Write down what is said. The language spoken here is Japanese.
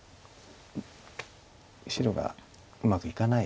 白がうまくいかない。